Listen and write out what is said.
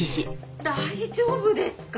大丈夫ですか？